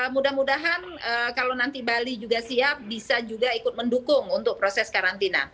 mudah mudahan kalau nanti bali juga siap bisa juga ikut mendukung untuk proses karantina